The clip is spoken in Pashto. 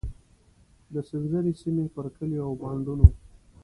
د سنځري سیمې پر کلیو او بانډونو.